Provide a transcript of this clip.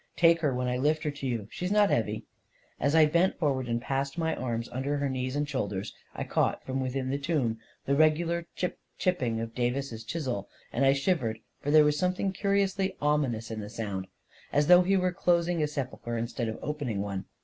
44 Take her when I lift her up to you — she's not heavy." 260 A KING IN BABYLON As I bent forward and passed my arms under her knees and shoulders, I caught, from within the tomb, the regular chip chipping of Davis's chisel; and I shivered, for there was something curiously ominous in the sound — as though he were closing a sepulchre instead of opening one.